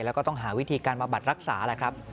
แล้วก็ต้องหาวิธีการมาบัดรักษาแหละครับ